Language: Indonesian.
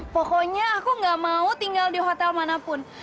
pokoknya aku gak mau tinggal di hotel manapun